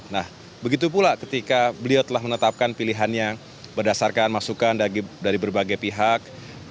nah begitu pula ketika beliau telah menetapkan pilihannya berdasarkan masukan dari berbagai pihak